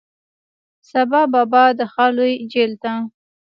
سبا بابا د ښار لوی جیل ته،